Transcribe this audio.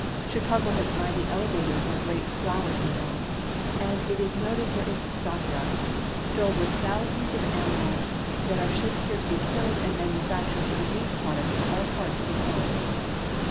Chicago has mighty elevators and great flouring mills, and it is noted for its stock yards, filled with thousands of animals that are shipped here to be killed and manufactured into meat products for all parts of the world.